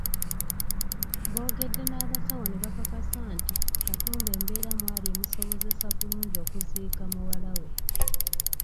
Boogedde n’abasawo ne bakakasa nti Katumba embeera mw’ali emusobozesa bulungi okuziika muwala we.